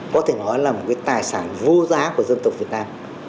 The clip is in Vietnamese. có thể nói là một cái tài sản vô giá của dân tộc việt nam